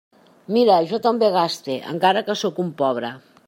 Mira, també jo gaste, encara que sóc un pobre.